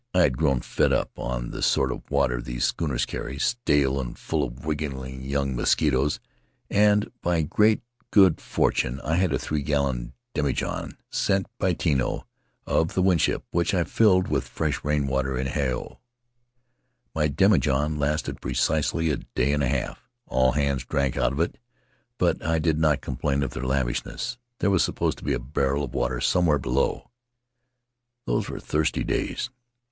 I had grown fed up on the sort of water these schooners carry — stale, and full of wriggling young mosquitoes — and by great good fortune I had a three gallon demi john, sent by Tino, of the Winship, which I filled with fresh rain water at Hao. "My demijohn lasted precisely a day and a half. All hands drank out of it, but I did not complain of their lavishness — there was supposed to be a barrel of water somewhere below. Those were thirsty days.